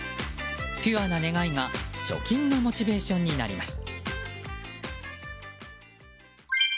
ピュアな願いが貯金のモチベーションになります。